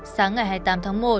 sáng ngày hai mươi tám tháng một